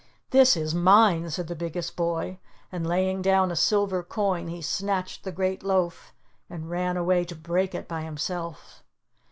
"This is mine," said the Biggest Boy, and laying down a silver coin he snatched the great loaf, and ran away to break it by himself.